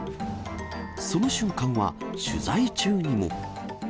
その瞬間は、取材中にも。